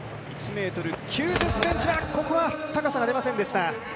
１ｍ９０ｃｍは、ここは高さが出ませんでした。